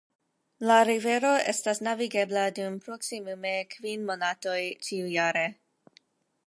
La rivero estas navigebla dum proksimume kvin monatoj ĉiujare.